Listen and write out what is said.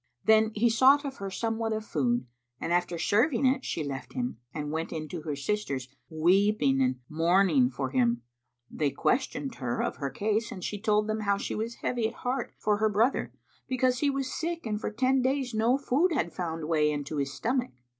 Then he sought of her somewhat of food and after serving it she left him, and went in to her sisters, weeping and mourning for him. They questioned her of her case and she told them how she was heavy at heart for her brother, because he was sick and for ten days no food had found way into his stomach.